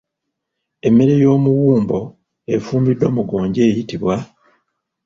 Emmere y'omuwumbo efumbiddwa mu ggonja eyitibwa?